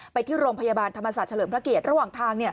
ไปที่โรงพยาบาลธรรมศาสตร์เฉลิมพระเกียรติระหว่างทาง